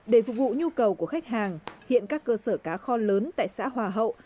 để phục vụ nhu cầu của khách hàng hiện các cơ sở cá kho lớn tại xã hòa hậu